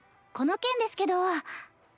この件ですけど。